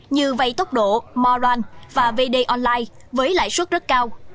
như vay tốc độ moran và vd online với lãi suất rất cao